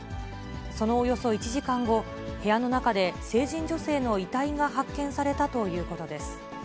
そのおよそ１時間後、部屋の中で成人女性の遺体が発見されたということです。